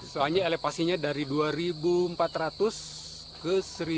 soalnya elevasinya dari dua empat ratus ke satu empat ratus